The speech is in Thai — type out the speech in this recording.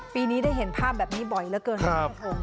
ปีนี้ได้เห็นภาพแบบนี้บ่อยเหลือเกินคุณผู้ชม